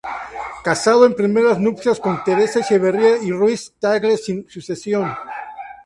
Casado en primeras nupcias con Teresa Echeverría y Ruiz-Tagle, sin sucesión.